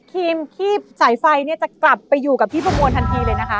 ครีมคีบสายไฟเนี่ยจะกลับไปอยู่กับพี่ประมวลทันทีเลยนะคะ